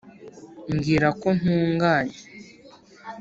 mbwira ko ntunganye-